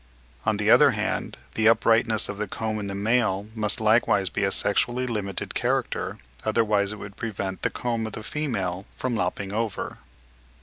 On the other hand, the uprightness of the comb in the male must likewise be a sexually limited character, otherwise it would prevent the comb of the female from lopping over.